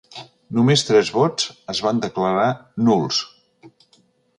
Només tres vots es van declarar nuls.